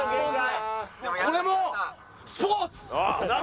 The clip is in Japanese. これもスポーツ！